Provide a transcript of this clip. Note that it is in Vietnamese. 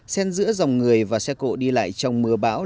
xen giữa dòng người và xe cộ đi lại trong mưa bão